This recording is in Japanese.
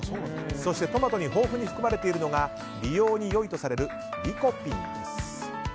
そしてトマトに豊富に含まれているのが美容に良いとされるリコピンです。